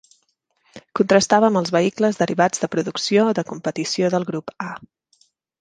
Contrastava amb els vehicles derivats de producció de competició del grup A.